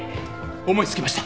思い付きました。